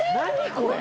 これ。